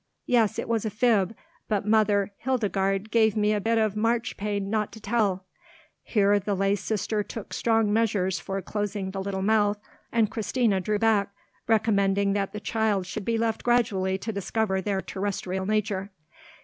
Yes, it was a fib, but Mother Hildegard gave me a bit of marchpane not to tell—" Here the lay sister took strong measures for closing the little mouth, and Christina drew back, recommending that the child should be left gradually to discover their terrestrial nature.